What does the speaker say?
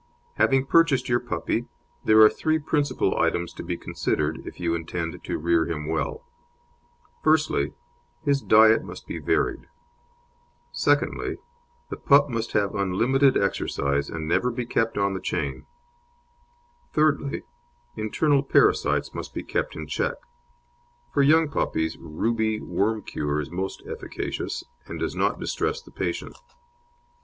Having purchased your puppy, there are three principal items to be considered if you intend to rear him well; firstly, his diet must be varied; secondly, the pup must have unlimited exercise, and never be kept on the chain; thirdly, internal parasites must be kept in check. For young puppies "Ruby" Worm Cure is most efficacious, and does not distress the patient.